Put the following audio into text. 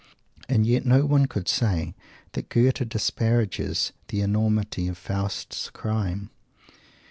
And yet no one could say that Goethe disparages the enormity of Faust's crime.